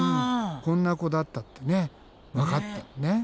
こんな子だったってわかったんだね。